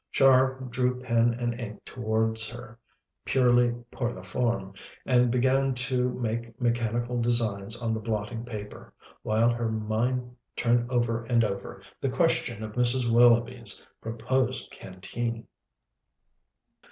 Char drew pen and ink towards her, purely pour la forme, and began to make mechanical designs on the blotting paper, while her mind turned over and over the question of Mrs. Willoughby's proposed canteen.